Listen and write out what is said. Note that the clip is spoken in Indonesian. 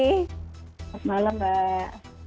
selamat malam mbak